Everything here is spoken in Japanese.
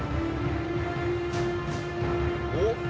おっ。